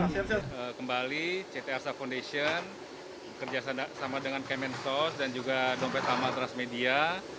kami kembali cte arsa foundation bekerja sama dengan kementerian sosial republik indonesia dan juga dompet amal transmedia